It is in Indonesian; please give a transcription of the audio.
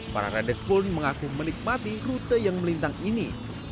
para rades pun mengaku menikmati rute yang melintang ini